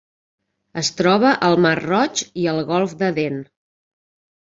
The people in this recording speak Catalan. Es troba al mar Roig i el golf d'Aden.